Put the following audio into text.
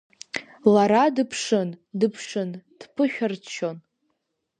Лара дыԥшын, дыԥшын, дԥышәырччон.